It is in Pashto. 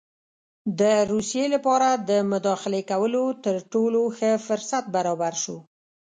د روسیې لپاره د مداخلې کولو تر ټولو ښه فرصت برابر شو.